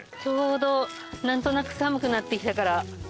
ちょうど何となく寒くなってきたから。